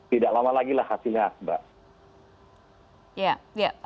tidak lama lagi lah hasilnya mbak